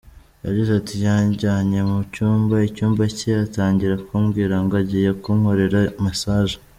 Yagize ati “Yanjyanye mu cyumba, icyumba cye, atangira kumbwira ngo agiye kunkorera massage.